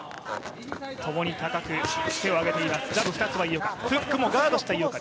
共に高く手を上げています。